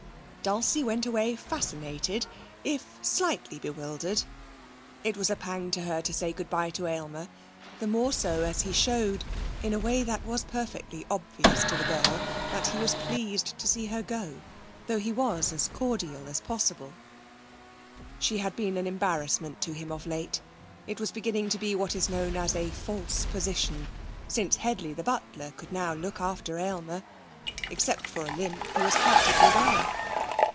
Dulcie went away fascinated, if slightly bewildered. It was a pang to her to say good bye to Aylmer, the more so as he showed, in a way that was perfectly obvious to the girl, that he was pleased to see her go, though he was as cordial as possible. She had been an embarrassment to him of late. It was beginning to be what is known as a false position, since Headley the butler could now look after Aylmer. Except for a limp, he was practically well.